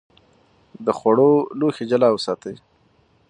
د خوړو لوښي جلا وساتئ.